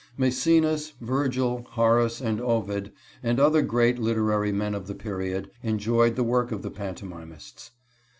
Mæcenas, Virgil, Horace, and Ovid, and other great literary men of the period, enjoyed the work of the pantomimists.